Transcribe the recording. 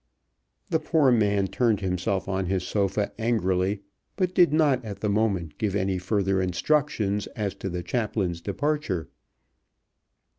The poor man turned himself on his sofa angrily, but did not at the moment give any further instructions as to the chaplain's departure.